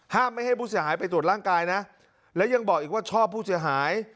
ไม่ให้ผู้เสียหายไปตรวจร่างกายนะแล้วยังบอกอีกว่าชอบผู้เสียหาย